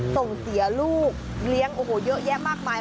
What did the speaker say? ส่งเสียลูกเลียงเยอะแยะมากมาย